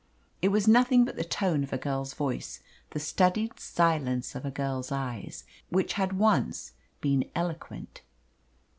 It was nothing but the tone of a girl's voice, the studied silence of a girl's eyes, which had once been eloquent.